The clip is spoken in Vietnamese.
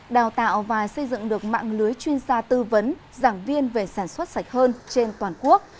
đào tạo và xây dựng được mạng lưới chuyên gia tư vấn giảng viên về sản xuất sạch hơn trên toàn quốc